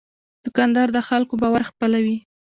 دوکاندار د خلکو باور خپلوي.